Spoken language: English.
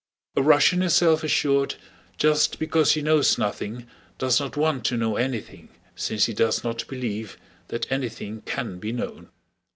A Russian is self assured just because he knows nothing and does not want to know anything, since he does not believe that anything can be known.